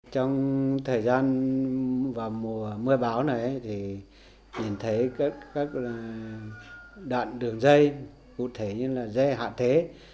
trong thời gian vào mùa mưa bão này thì nhìn thấy các đạn đường dây cụ thể như là dây hạ thế